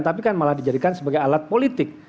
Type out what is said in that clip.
tapi kan malah dijadikan sebagai alat politik